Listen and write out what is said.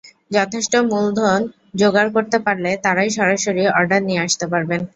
যথেষ্ট মূলধন জোগাড় করতে পারলে তাঁরাই সরাসরি অর্ডার নিয়ে আসতে পারবেন।